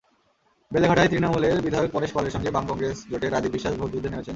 বেলেঘাটায় তৃণমূলের বিধায়ক পরেশ পালের সঙ্গে বাম-কংগ্রেস জোটের রাজীব বিশ্বাস ভোটযুদ্ধে নেমেছেন।